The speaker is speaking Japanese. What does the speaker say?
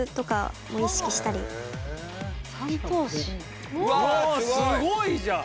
常にうわあすごいじゃん。